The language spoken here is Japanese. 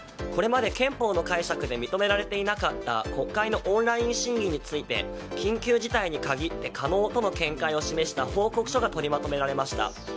これまで憲法の解釈で認められていなかった国会のオンライン審議について緊急事態に限って可能との見解を示した報告書が取りまとめられました。